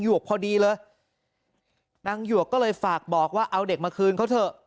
วกพอดีเลยนางหยวกก็เลยฝากบอกว่าเอาเด็กมาคืนเขาเถอะ